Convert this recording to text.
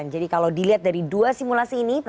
jadi kalau dilihat dari dua simulasi ini